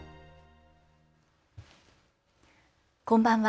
こんばんは。